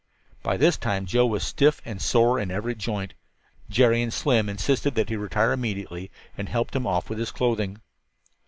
By this time Joe was stiff and sore in every joint. Jerry and Slim insisted that he retire immediately, and helped him off with his clothing.